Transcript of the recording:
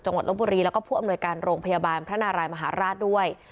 ลบบุรีแล้วก็ผู้อำนวยการโรงพยาบาลพระนารายมหาราชด้วย